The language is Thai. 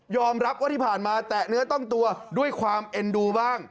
รับว่าที่ผ่านมาแตะเนื้อต้องตัวด้วยความเอ็นดูบ้าง